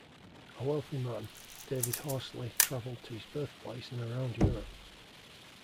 A wealthy man, David Horsley travelled to his birthplace and around Europe.